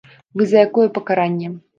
Вы за якое пакаранне?